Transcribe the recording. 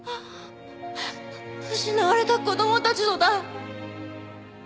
失われた子供たちのだ。